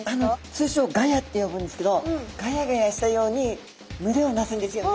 通称ガヤって呼ぶんですけどガヤガヤしたように群れをなすんですよね。